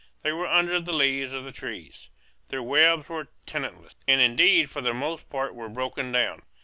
They were under the leaves of the trees. Their webs were tenantless, and indeed for the most part were broken down.